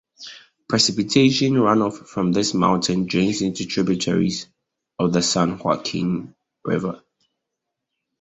Precipitation runoff from this mountain drains into tributaries of the San Joaquin River.